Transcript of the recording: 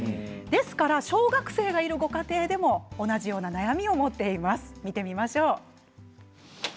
小学生がいるご家庭でも同じような悩みを持っています。